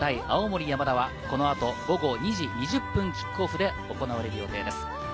青森山田は、この後、午後２時２０分キックオフで行われる予定です。